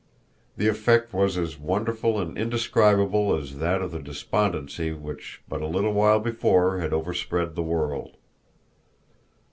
The effect was as wonderful and indescribable as that of the despondency which but a little while before had overspread the world.